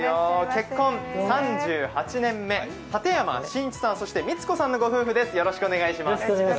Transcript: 結婚３８年目、立山真一さん、そして光子さんのご夫婦です。